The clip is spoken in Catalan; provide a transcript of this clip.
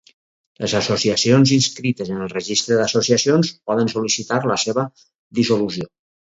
Les associacions inscrites en el Registre d'associacions poden sol·licitar la seva dissolució.